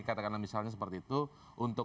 katakanlah misalnya seperti itu